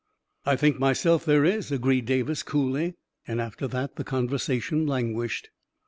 " I think myself there is," agreed Davis coolly; and after that the conversation languished.